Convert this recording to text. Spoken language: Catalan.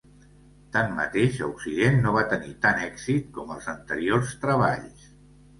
Tanmateix, a occident no va tenir tant èxit com els anteriors treballs.